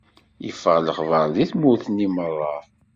Iffeɣ lexbaṛ di tmurt-nni meṛṛa.